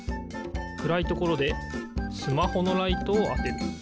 くらいところでスマホのライトをあてる。